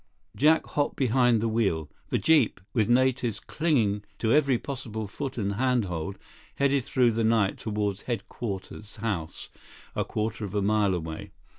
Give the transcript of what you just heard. Jack hopped behind the wheel. The jeep, with natives clinging to every possible foot and hand hold, headed through the night toward Headquarters House, a quarter of a mile away.